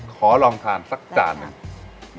ขอลองทานสักจานหนึ่ง